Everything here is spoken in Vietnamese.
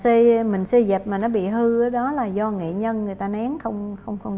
nếu mình xê dịch mà nó bị hư đó là do nghệ nhân người ta nén không chặt